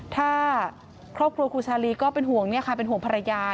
ถ้าครอบครัวครูชะลีก็เป็นห่วงภรรยา